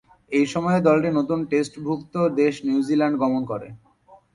একই সময়ে দলটি নতুন টেস্টভূক্ত দেশ নিউজিল্যান্ড গমন করে।